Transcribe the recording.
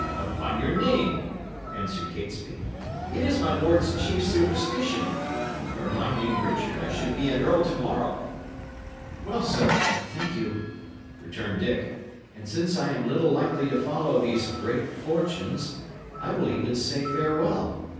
"Upon your name," answered Catesby. "It is my lord's chief superstition. Were my name Richard, I should be an earl to morrow." "Well, sir, I thank you," returned Dick; "and since I am little likely to follow these great fortunes, I will even say farewell.